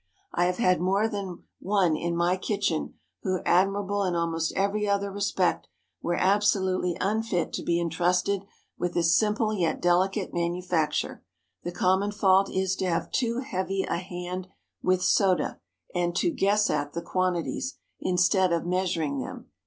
I have had more than one in my kitchen, who, admirable in almost every other respect, were absolutely unfit to be intrusted with this simple yet delicate manufacture. The common fault is to have too "heavy a hand" with soda, and to "guess at" the quantities, instead of measuring them.